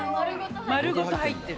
丸ごと入ってる。